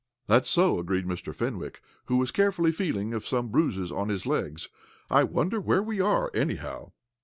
"That's so," agreed Mr. Fenwick, who was carefully feeling of some bruises on his legs. "I wonder where we are, anyhow?"